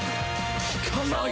効かない！？